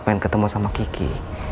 pengen ketemu sama kiki